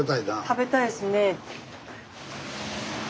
食べたいですねえ。